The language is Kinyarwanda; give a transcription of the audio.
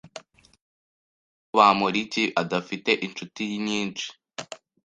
Ndakeka ko Bamoriki adafite inshuti nyinshi.